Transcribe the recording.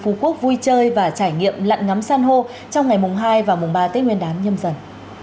phú quốc vui chơi và trải nghiệm lặn ngắm san hô trong ngày hai và ba tết nguyên đáng nhâm dần